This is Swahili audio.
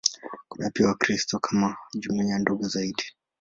Kuna pia Wakristo kama jumuiya ndogo zaidi.